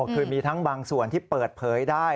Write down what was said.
คือมีทั้งบางส่วนที่เปิดเผยได้